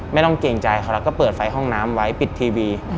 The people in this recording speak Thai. ไม่ต้องเกรงใจเขาแล้วก็เปิดไฟห้องน้ำไว้ปิดทีวี